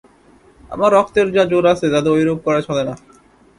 আমার রক্তের যা জোর আছে, তাতে ঐরূপ করা চলে না।